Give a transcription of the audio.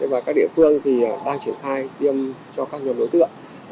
và các địa phương đang triển thai tiêm cho các nhóm đối tượng